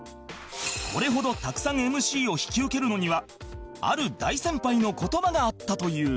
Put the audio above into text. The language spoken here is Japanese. これほどたくさん ＭＣ を引き受けるのにはある大先輩の言葉があったという